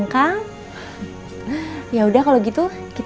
nanti aku komenhetik dia